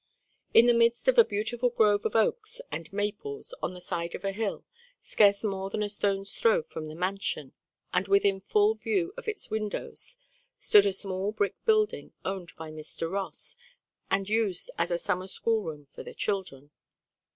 In the midst of a beautiful grove of oaks and maples, on the side of a hill, scarce more than a stone's throw from the mansion, and within full view of its windows, stood a small brick building owned by Mr. Ross, and used as a summer schoolroom for the children.